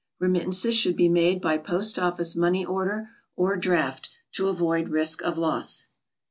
Remittances should be made by POST OFFICE MONEY ORDER or DRAFT, to avoid risk of loss.